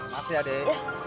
makasih ya dey